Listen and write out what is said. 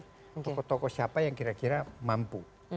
toko toko siapa yang kira kira mampu